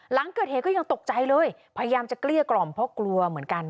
หลังเกิดเหตุก็ยังตกใจเลยพยายามจะเกลี้ยกล่อมเพราะกลัวเหมือนกัน